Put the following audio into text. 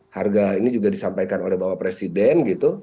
harga ini juga disampaikan oleh bapak presiden gitu